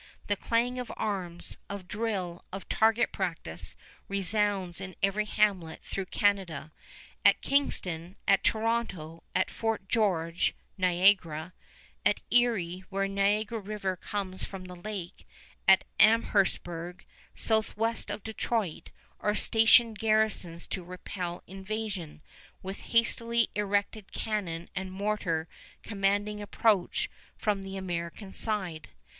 The clang of arms, of drill, of target practice, resounds in every hamlet through Canada. At Kingston, at Toronto, at Fort George (Niagara), at Erie where Niagara River comes from the lake, at Amherstburg, southeast of Detroit, are stationed garrisons to repel invasion, with hastily erected cannon and mortar commanding approach from the American side.